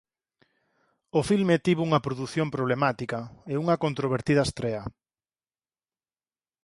O filme tivo unha produción problemática e unha controvertida estrea.